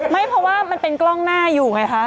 ไม่เพราะว่ามันเป็นกล้องหน้าอยู่ไงคะ